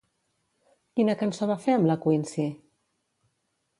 Quina cançó va fer amb La Queency?